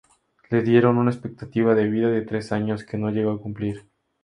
Le dieron una expectativa de vida de tres años, que no llegó a cumplir.